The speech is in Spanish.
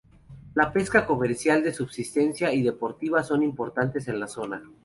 La pesca comercial, de subsistencia y deportiva son importantes en la zona.